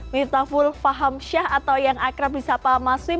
minta full faham syah atau yang akrab di sapa mas fim